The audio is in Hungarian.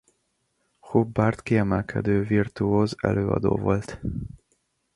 Hubbard kiemelkedő virtuóz előadó volt.